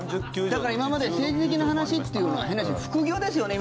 だから今まで政治的な話というのは変な話、副業ですよね。